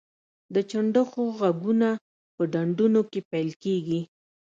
د چنډخو غږونه په ډنډونو کې پیل کیږي